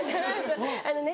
あのね